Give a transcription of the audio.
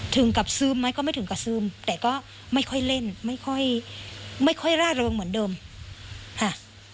ถึงกับซึมไหมก็ไม่ถึงกับซึมแต่ก็ไม่ค่อยเล่นไม่ค่อยไม่ค่อยร่าเริงเหมือนเดิมค่ะ